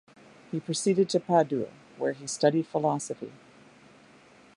He proceeded to Padua, where he studied philosophy.